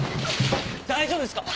大丈夫ですか！？